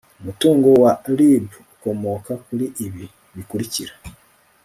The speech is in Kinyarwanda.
umutungo wa rib ukomoka kuri ibi bikurikira